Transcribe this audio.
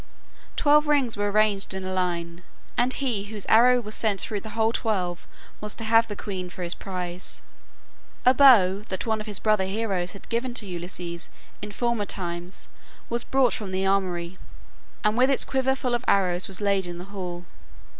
Twelve rings were arranged in a line, and he whose arrow was sent through the whole twelve was to have the queen for his prize. A bow that one of his brother heroes had given to Ulysses in former times was brought from the armory, and with its quiver full of arrows was laid in the hall.